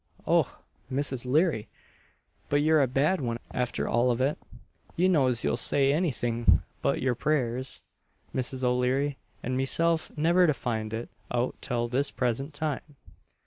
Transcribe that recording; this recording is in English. Och! Mrs. O'Leary, but yer a bad one after all of it," &c. "You knows you'll say any thing but your prayers, Mrs. O'Leary, and meself never to find it out till this present time!